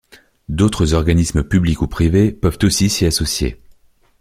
D’autres organismes publics ou privés peuvent aussi s’y associer.